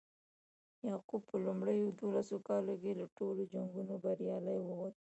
یعقوب په لومړیو دولسو کالو کې له ټولو جنګونو بریالی ووت.